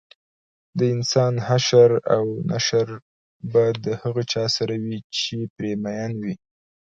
دانسان حشر او نشر به د هغه چا سره وي چې پرې مین وي